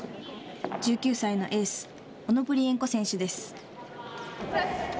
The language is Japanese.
１９歳のエースオノプリエンコ選手です。